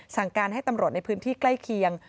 สั่งการให้ตำรวจในพื้นที่ใกล้เคียง